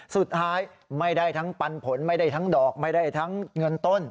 สุดท้ายไม่ได้ทั้งปันผลไม่ได้ทั้งดอกไม่ได้ทั้งเงินต้น